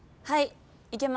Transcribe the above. はい。